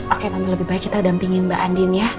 oke tante lebih baik kita dampingin mba andin ya